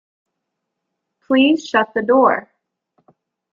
Please shut the door.